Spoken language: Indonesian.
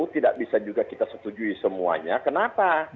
tidak bisa juga kita setujui semuanya kenapa